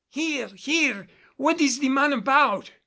"Here! here! what is the man about?"